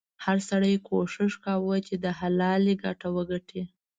هر سړي کوښښ کاوه چې د حلالې ګټه وګټي.